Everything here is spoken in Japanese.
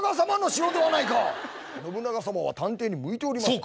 信長様は探偵に向いておりません。